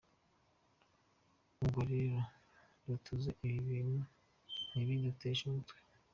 Ubwo rero dutuze ibi bintu ntibiduteshe umutwe.